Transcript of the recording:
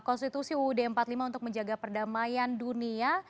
konstitusi uud empat puluh lima untuk menjaga perdamaian dunia